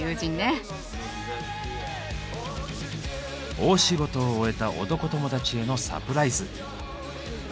大仕事を終えた男友達へのサプライズ。